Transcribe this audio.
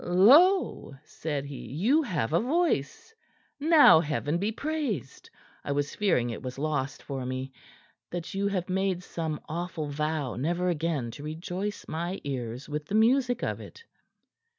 "Lo!" said he. "You have a voice! Now Heaven be praised! I was fearing it was lost for me that you had made some awful vow never again to rejoice my ears with the music of it."